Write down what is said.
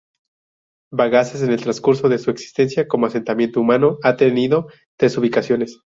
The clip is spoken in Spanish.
Bagaces en el transcurso de su existencia como asentamiento humano, ha tenido tres ubicaciones.